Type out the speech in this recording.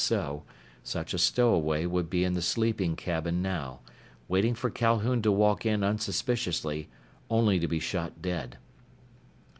If so, such a stowaway would be in the sleeping cabin now, waiting for Calhoun to walk in unsuspiciously, only to be shot dead.